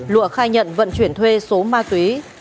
lụa khai nhận vận chuyển thuê số ma túy